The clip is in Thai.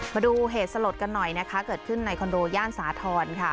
มาดูเหตุสลดกันหน่อยนะคะเกิดขึ้นในคอนโดย่านสาธรณ์ค่ะ